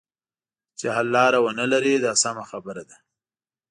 چې حل لاره ونه لري دا سمه خبره ده.